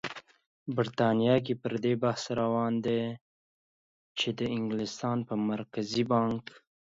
بریتانیا کې پر دې بحث روان دی چې د انګلستان د مرکزي بانک